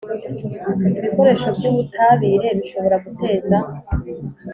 Ibikoresho by ubutabire bishobora guteza